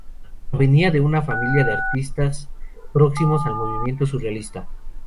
Provenía de una familia de artistas próximos al movimiento surrealista.